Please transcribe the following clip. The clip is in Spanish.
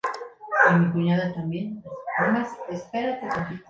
Igualmente, define el conjunto de profesionales que la ejercen.